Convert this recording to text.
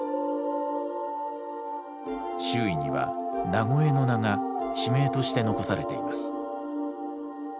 周囲には名越の名が地名として残されています。